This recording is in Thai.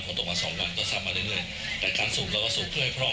ฝนตกมาสองวันก็สัดมาเรื่อยเรื่อยแต่การสูบเราก็สูบเพื่อให้พร่อง